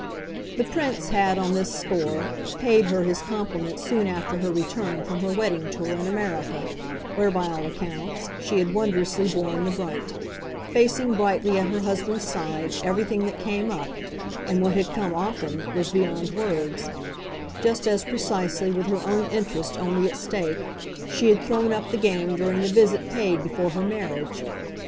The Prince had, on this score, paid her his compliment soon after her return from her wedding tour in America, where, by all accounts, she had wondrously borne the brunt; facing brightly, at her husband's side, everything that came up and what had come, often, was beyond words: just as, precisely, with her own interest only at stake, she had thrown up the game during the visit paid before her marriage.